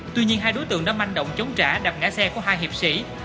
tuy nhiên hai đối tượng đã manh động chống trả đạp ngã xe của hai hiệp sĩ